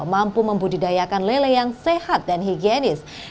mampu membudidayakan lele yang sehat dan higienis